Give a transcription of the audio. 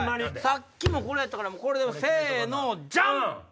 さっきもこれやったからこれでせのジャン！